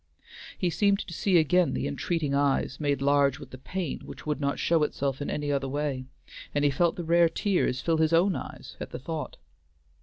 He seemed to see again the entreating eyes, made large with the pain which would not show itself in any other way, and he felt the rare tears fill his own eyes at the thought.